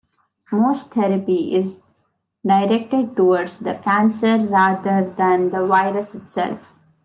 Most therapy is directed towards the cancer rather than the virus itself.